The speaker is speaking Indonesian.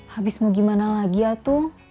habis mau gimana lagi ya tuh